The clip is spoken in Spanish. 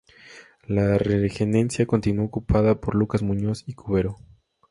La regencia continuó ocupada por Lucas Muñoz y Cubero.